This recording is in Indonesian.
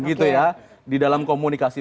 gitu ya di dalam komunikasi